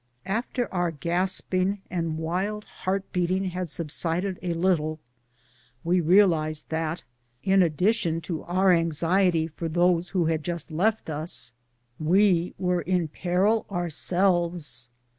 After our gasping and wild heart beating had sub sided a little, we realized that, in addition to our anxiety for those who had just left us, we were in peril our selves.